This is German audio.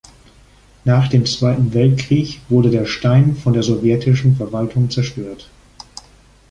Nach dem Zweiten Weltkrieg wurde der Stein von der sowjetischen Verwaltung zerstört.